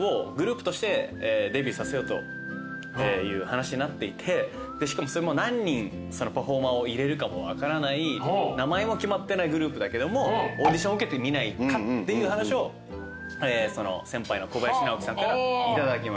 という話になっていてでしかもそれも何人パフォーマーを入れるかも分からない名前も決まってないグループだけども「オーディションを受けてみないか？」っていう話を先輩の小林直己さんから頂きまして。